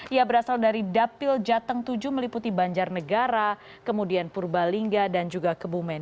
ia berasal dari dapil jateng tujuh meliputi banjarnegara kemudian purbalingga dan juga kebumen